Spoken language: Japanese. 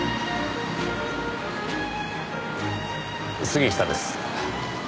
杉下です。